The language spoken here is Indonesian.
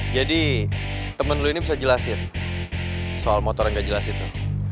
jadi temen lo ini bisa jelasin soal motornya gak jelas itu